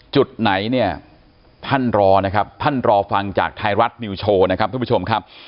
จุดไหนเนี่ยท่านรอนะครับท่านรอฟังจากไทยรัฐนิวโชว์นะครับทุกผู้ชมครับ